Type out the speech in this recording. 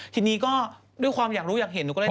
ทีนี้ก็ด้วยความอยากรู้อยากเห็นหนูก็เลย